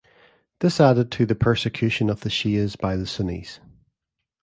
This added to the persecution of the Shias by the Sunnis.